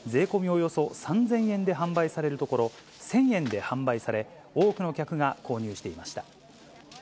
およそ３０００円で販売されるところ、１０００円で販売され、多くの客が購入していました。